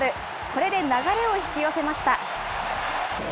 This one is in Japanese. これで流れを引き寄せました。